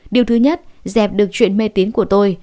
điều thứ nhất dẹp được chuyện mê tín của tôi